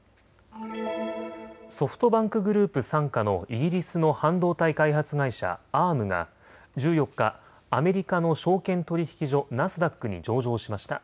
ソフトバンクグループ傘下のイギリスの半導体開発会社、Ａｒｍが１４日、アメリカの証券取引所ナスダックに上場しました。